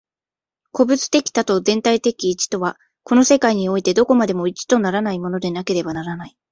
個物的多と全体的一とは、この世界においてどこまでも一とならないものでなければならない。